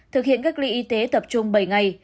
thực hiện cách ly y tế tập trung bảy ngày